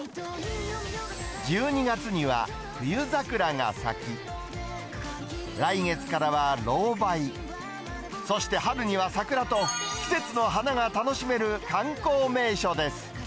１２月には冬桜が咲き、来月からはロウバイ、そして春には桜と、季節の花が楽しめる観光名所です。